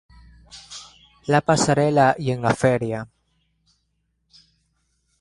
La Pasarela" y "En la Feria.